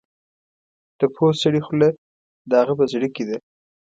د پوه سړي خوله د هغه په زړه کې ده.